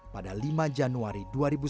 pada lima januari dua ribu sembilan belas